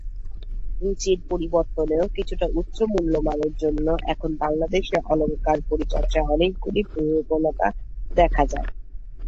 রুচির পরিবর্তনেও কিছুটা উচ্চ মূল্যমানের জন্য এখন বাংলাদেশে অলঙ্কার পরিচর্যায় অনেকগুলি প্রবণতা দেখা যায়।